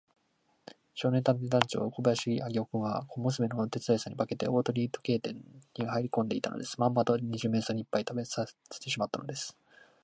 少年探偵団長小林芳雄君は、小娘のお手伝いさんに化けて、大鳥時計店にはいりこんでいたのです。まんまと二十面相にいっぱい食わせてしまったのです。